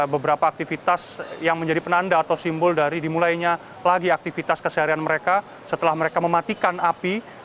beberapa aktivitas yang menjadi penanda atau simbol dari dimulainya lagi aktivitas keseharian mereka setelah mereka mematikan api